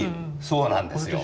そうなんですよ。